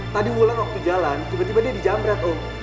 tadi wulan waktu jalan tiba tiba dia dijambret om